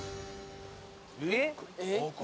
えっ。